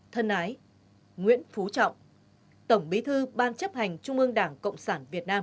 thân ái nguyễn phú trọng tổng bí thư ban chấp hành trung ương đảng cộng sản việt nam